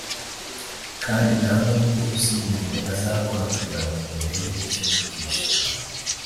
kandi nta n’ubwo uzi imirimo azakora kugira ngo umenye icyo wigisha"